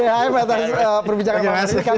terima kasih dhm atas perbincangan hari ini